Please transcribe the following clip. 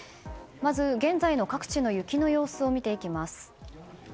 まず、現在の各地の雪の様子を見ていきます。